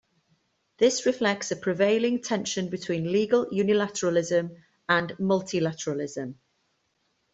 This reflects a prevailing tension between legal unilateralism and multilateralism.